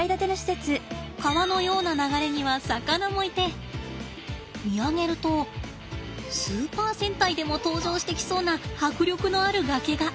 川のような流れには魚もいて見上げるとスーパー戦隊でも登場してきそうな迫力のある崖が。